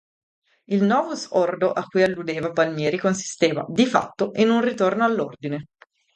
Il "novus ordo" a cui alludeva Palmieri consisteva, di fatto, in un ritorno all'ordine.